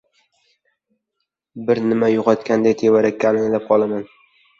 Bir nima yo‘qotganday tevarakka alanglab qolaman.